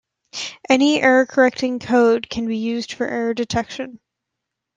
Any error-correcting code can be used for error detection.